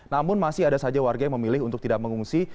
namun masih ada saja warga yang memilih untuk tidak mengungsi